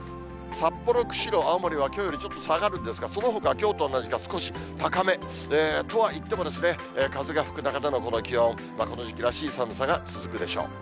札幌、釧路、青森はきょうよりちょっと下がるんですが、そのほか、きょうと同じか少し高め。とは言っても、風が吹く中でのこの気温、この時期らしい寒さが続くでしょう。